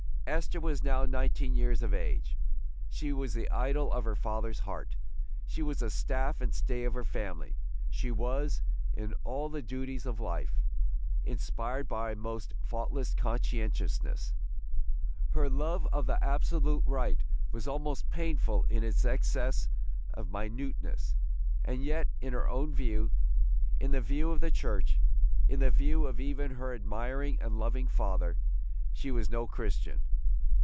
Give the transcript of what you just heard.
Esther was now nineteen years of age; she was the idol of her father's heart; she was the staff and stay of her family; she was, in all the duties of life, inspired by a most faultless conscientiousness. Her love of the absolute right was almost painful in its excess of minuteness, and yet, in her own view, in the view of the Church, in the view even of her admiring and loving father, she was no Christian.